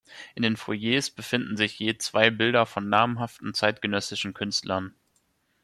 In den Foyers befinden sich je zwei Bilder von namhaften zeitgenössischen Künstlern.